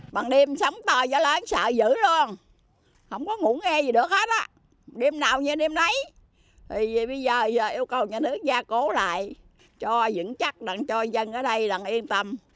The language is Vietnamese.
bây giờ yêu cầu nhà nước gia cố lại cho dẫn chắc cho dân ở đây yên tâm